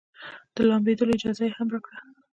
د لامبېدلو اجازه يې هم راکړه.